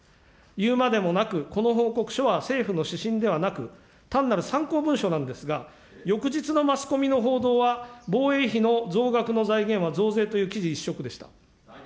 言うまでもなく、この報告書は政府の指針ではなく、単なる参考文書なんですが、翌日のマスコミの報道は、防衛費の増額の財源は増税という記事一色でした。